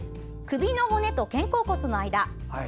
首の骨と肩甲骨の間。